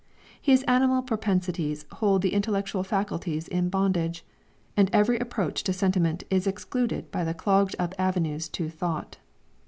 His animal propensities hold the intellectual faculties in bondage, and every approach to sentiment is excluded by the clogged up avenues to thought.